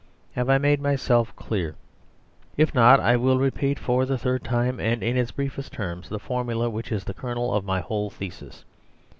Have I made myself clear ? If not, I will repeat for the third time, and in its briefest terms, the formula which is the kernel of my whole thesis.